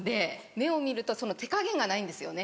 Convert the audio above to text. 目を見ると手加減がないんですよね